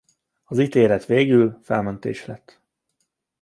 Az ítélet végül felmentés lett.